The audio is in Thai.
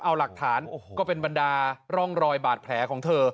เอาหลักฐานก็เป็นบรรดาร่องรอยบาดแผลของเธอ